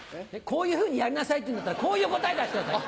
こういうふうにやりなさいって言うんだったらこういう答え出してください。